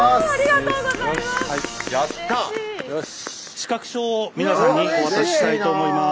資格証を皆さんにお渡ししたいと思います。